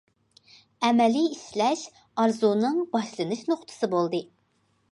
ئەمەلىي ئىشلەش ئارزۇنىڭ باشلىنىش نۇقتىسى بولدى.